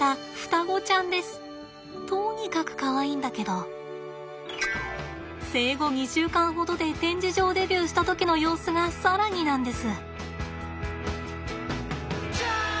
とにかくかわいいんだけど生後２週間ほどで展示場デビューした時の様子が更になんです。